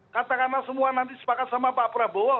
katakanlah semua nanti sepakat sama pak prabowo